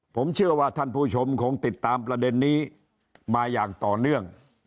ผมเชื่อว่าท่านผู้ชมคงติดตามประเด็นนี้มาอย่างต่อเนื่อง